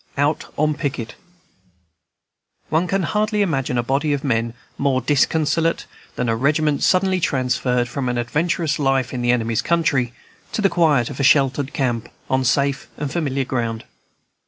Out on Picket One can hardly imagine a body of men more disconsolate than a regiment suddenly transferred from an adventurous life in the enemy's country to the quiet of a sheltered camp, on safe and familiar ground.